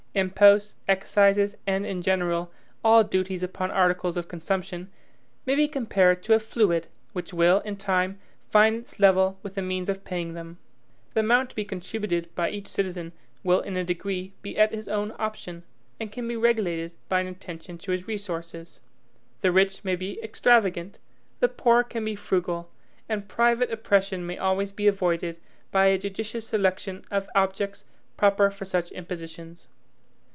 Imposts, excises, and, in general, all duties upon articles of consumption, may be compared to a fluid, which will, in time, find its level with the means of paying them. The amount to be contributed by each citizen will in a degree be at his own option, and can be regulated by an attention to his resources. The rich may be extravagant, the poor can be frugal; and private oppression may always be avoided by a judicious selection of objects proper for such impositions.